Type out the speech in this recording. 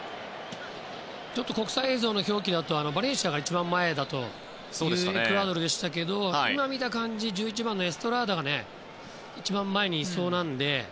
国際映像の表記だとバレンシアが一番前だというエクアドルでしたけども今見た感じ１１番のエストラーダが一番前にいそうですね。